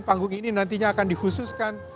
panggung ini nantinya akan dikhususkan